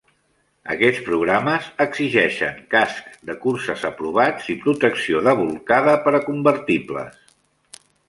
Aquests programes exigeixen cascs de curses aprovats i protecció de bolcada per a convertibles.